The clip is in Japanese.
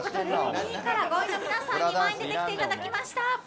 ２位から５位の皆さんに前に出ていただきました。